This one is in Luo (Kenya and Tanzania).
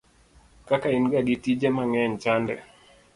kaka in ga gi tije mang'eny chande